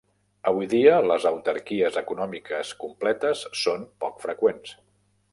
Avui dia, les autarquies econòmiques completes són poc freqüents.